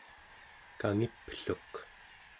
kangipluk